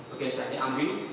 oke saya diambil